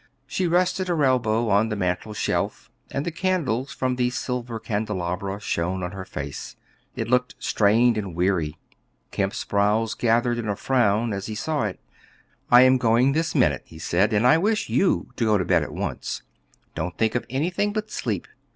She rested her elbow on the mantel shelf, and the candles from the silver candelabra shone on her face; it looked strained and weary. Kemp's brows gathered in a frown as he saw it. "I am going this minute," he said; "and I wish you to go to bed at once. Don't think of anything but sleep.